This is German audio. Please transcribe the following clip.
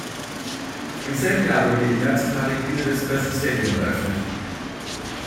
Im selben Jahr wurde die Mehrzweckhalle Queen Elizabeth Stadium eröffnet.